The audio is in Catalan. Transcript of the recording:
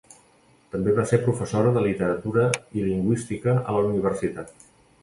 També va ser professora de literatura i lingüística a la universitat.